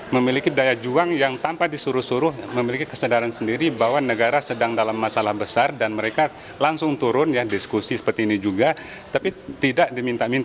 memiliki daya juang yang tanpa disuruh suruh memiliki kesadaran sendiri bahwa negara sedang dalam masalah besar dan mereka langsung turun ya diskusi seperti ini juga tapi tidak diminta